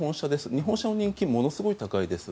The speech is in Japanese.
日本車の人気がものすごく高いです。